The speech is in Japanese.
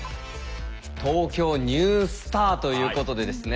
「ＴＯＫＹＯニュースター」ということでですね